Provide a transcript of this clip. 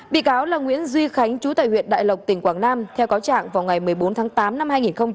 bị cáo là nguyễn duy khánh chú tại huyện đại lộc tỉnh quảng nam theo cáo trạng vào ngày một mươi bốn tháng tám năm hai nghìn hai mươi